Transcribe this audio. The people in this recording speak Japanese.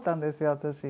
私。